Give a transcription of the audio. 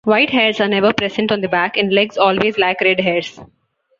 White hairs are never present on the back, and legs always lack red hairs.